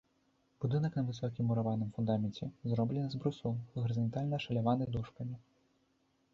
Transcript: Будынак на высокім мураваным фундаменце, зроблены з брусоў, гарызантальна ашаляваны дошкамі.